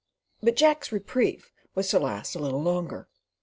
But Jack's reprieve was to last a little longer.